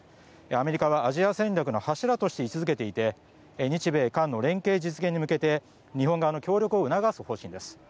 アメリカはアジア戦略の柱として位置付けていて日米韓の連携実現に向けて日本側の協力を促す方針です。